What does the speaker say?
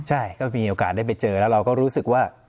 ใช่ก็มีโอกาสได้ไปเจอแล้วเราก็รู้สึกว่า